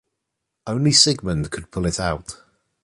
Only Sigmund could pull it out.